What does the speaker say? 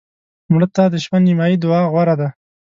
مړه ته د شپه نیمایي دعا غوره ده